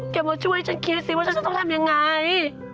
เขามาช่วยฉันคิดสิว่าฉันต้องทำอย่าง่าย